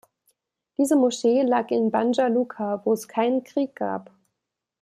Diese Moschee lag in Banja Luka, wo es keinen Krieg gab.